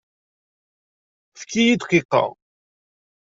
Efk-iyi dqiqa!